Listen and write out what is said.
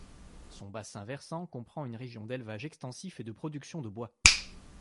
Son bassin versant comprend une région d'élevage extensif et de production de bois.